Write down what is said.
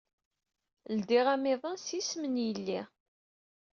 Ledyeɣ amiḍan s yisem n yelli.